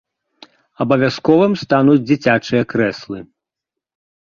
Абавязковым стануць дзіцячыя крэслы.